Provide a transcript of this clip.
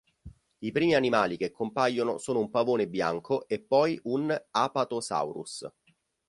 I primi animali che compaiono sono un pavone bianco e poi un apatosaurus.